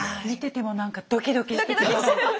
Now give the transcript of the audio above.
見てても何かドキドキしてきます。